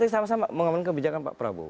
sama sama mengamankan kebijakan pak prabowo